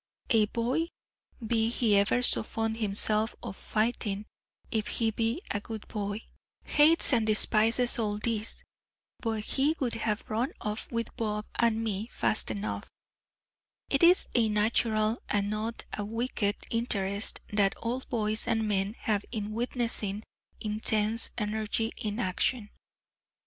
A boy be he ever so fond himself of fighting, if he be a good boy, hates and despises all this, but he would have run off with Bob and me fast enough; it is a natural, and a not wicked, interest that all boys and men have in witnessing intense energy in action.